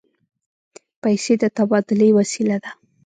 پیسې د تبادلې وسیله ده.